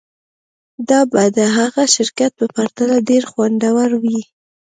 دا به د هغه شرکت په پرتله ډیر خوندور وي